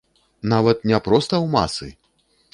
Нават не проста ў масы!